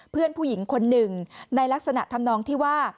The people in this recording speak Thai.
เพื่อนผู้หญิงคนหนึ่งในลักษณะทำนองที่ว่า